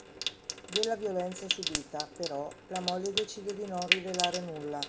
Della violenza subita, però, la moglie decide di non rivelare nulla.